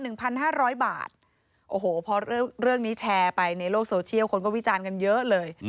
ครูรายละ๑๐๐๐บาทโอ้โหพอเรื่องนี้แชร์ไปในโลกโซเชียลคนก็วิจารณ์กันเยอะเลย